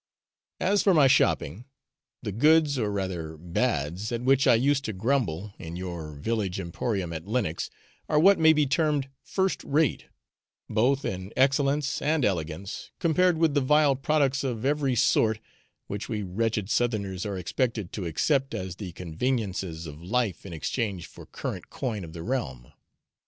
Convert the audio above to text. As for my shopping, the goods or rather 'bads,' at which I used to grumble, in your village emporium at Lenox, are what may be termed 'first rate,' both in excellence and elegance, compared with the vile products of every sort which we wretched southerners are expected to accept as the conveniences of life in exchange for current coin of the realm.